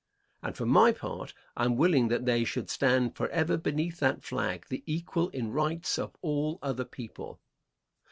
And for my part, I am willing that they should stand forever beneath that flag, the equal in rights of all other people.